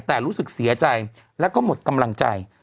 แต่รู้สึกเสียใจแล้วก็หมดกำลังใจ